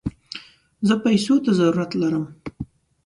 زه پيسوته ضرورت لم